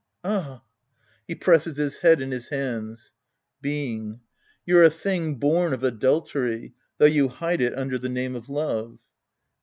Ah. {He presses his head in his hands.') Being. You're a thing born of adultery. Though you hide it under the name of love.